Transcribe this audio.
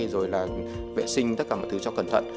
rồi là vệ sinh tất cả mọi thứ cho cẩn thận